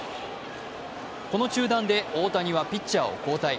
この中断で大谷はピッチャーを交代。